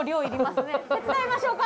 手伝いましょうか？